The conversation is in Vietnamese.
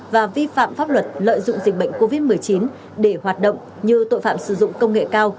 và vi phạm pháp luật lợi dụng dịch bệnh covid một mươi chín để hoạt động như tội phạm sử dụng công nghệ cao